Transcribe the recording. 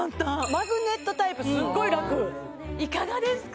マグネットタイプすっごい楽いかがですか？